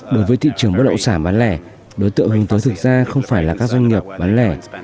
đối với thị trường bất động sản bán lẻ đối tượng hướng tới thực ra không phải là các doanh nghiệp bán lẻ